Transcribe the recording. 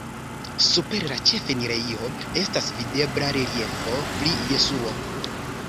Super la ĉefenirejo estas videbla reliefo pri Jesuo.